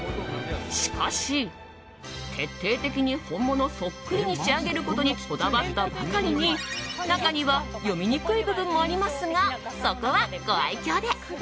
しかし、徹底的に本物そっくりに仕上げることにこだわったばかりに中には読みにくい部分もありますが、そこはご愛嬌で。